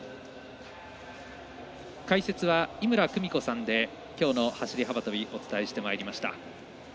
解説は井村久美子さんできょうの走り幅跳びお伝えしてまいりました。